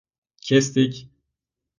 Kestik!